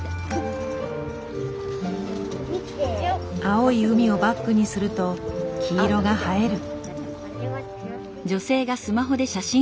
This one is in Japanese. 青い海をバックにすると黄色が映える。